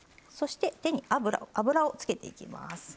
そして手に油をつけていきます。